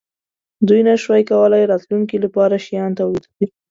دوی نشوای کولای راتلونکې لپاره شیان تولید کړي.